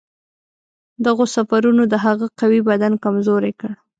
دغو سفرونو د هغه قوي بدن کمزوری کړ.